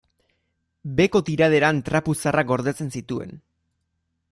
Beheko tiraderan trapu zaharrak gordetzen zituen.